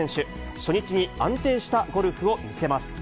初日に安定したゴルフを見せます。